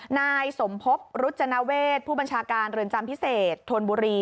นายสมพบรุจนาเวทผู้บัญชาการเรือนจำพิเศษธนบุรี